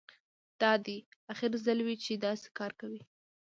دا دې اخر ځل وي چې داسې کار کوې